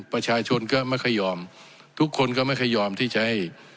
ประชาชนก็ไม่ค่อยยอมทุกคนก็ไม่ค่อยยอมที่จะให้